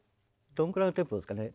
どのくらいのテンポですかね。